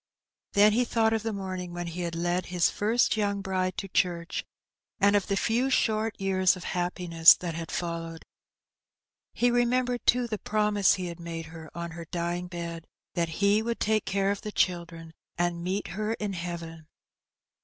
Then he thought of the morning when he had led his first 46 Hee Benny. young bride to church, and of the few short years of happi ness that had followed. He remembered, too, the promise he had made her on her dying bed — that he would take care of the children, and meet her in heaven.